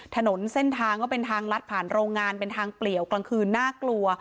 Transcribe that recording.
ถนนเส้นทางก็เป็นทางลัดผ่านโรงงานเป็นทางเปลี่ยวกลางคืนน่ากลัว